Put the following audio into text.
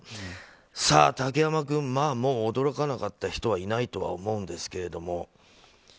さあ、竹山君もう驚かなかった人はいないとは思うんですけれども。